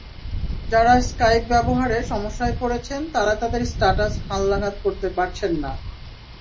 যাঁরা স্কাইপ ব্যবহারে সমস্যায় পড়েছেন তারা তাদের স্ট্যটাস হালনাগাদ করতে পারছেন না।